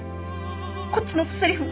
こっちのセリフ。